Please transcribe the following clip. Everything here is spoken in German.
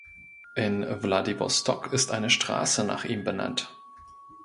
In Wladiwostok ist eine Straße nach ihm benannt.